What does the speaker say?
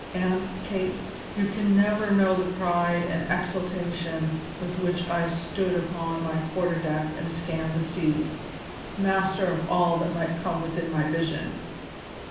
And, Kate, you can never know the pride and exultation with which I stood upon my quarter deck and scanned the sea, master of all that might come within my vision.